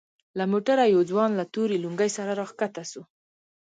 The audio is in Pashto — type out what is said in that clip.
له موټره يو ځوان له تورې لونگۍ سره راکښته سو.